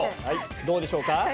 どうでしょうか？